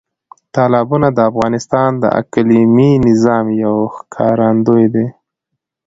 تالابونه د افغانستان د اقلیمي نظام یو ښکارندوی دی.